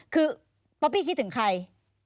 คือป๊อปปี้คิดถึงใคร